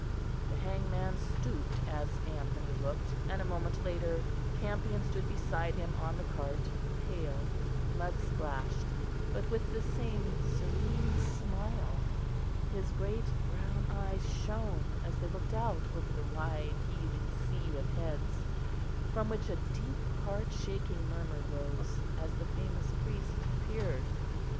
The hangman stooped as Anthony looked, and a moment later Campion stood beside him on the cart, pale, mud splashed, but with the same serene smile; his great brown eyes shone as they looked out over the wide heaving sea of heads, from which a deep heart shaking murmur rose as the famous priest appeared.